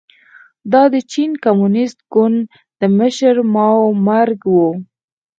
دا د چین د کمونېست ګوند د مشر ماوو مرګ و.